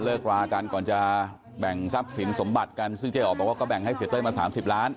รากันก่อนจะแบ่งทรัพย์สินสมบัติกันซึ่งเจ๊อ๋อบอกว่าก็แบ่งให้เสียเต้ยมา๓๐ล้าน